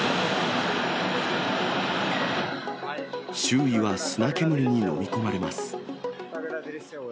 周囲は砂煙に飲み込まれます。